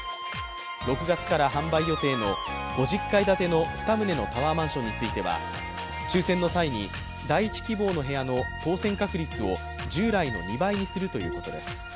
６月から販売予定の５０階建ての２棟のタワーマンションについては抽選の際に第１希望の部屋の当選確率を従来の２倍にするということです。